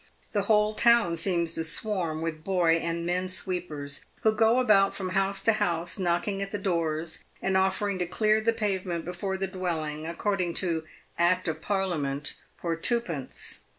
The whole town seems to swarm with boy and men sweepers, who go about from house to house, knocking at the doors, and offering to clear the pavement before the dwelling, according to Act of Parliament, for twopence.